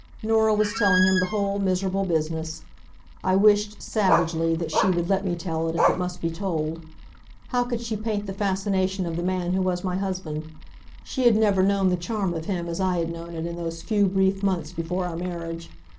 Norah was telling him the whole miserable business. I wished, savagely, that she would let me tell it, if it must be told. How could she paint the fascination of the man who was my husband? She had never known the charm of him as I had known it in those few brief months before our marriage.